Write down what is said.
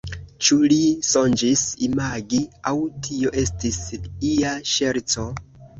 Ĉu li sonĝis, imagis aŭ tio estis ia ŝerco?